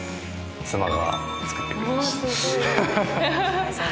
妻が作ってくれました。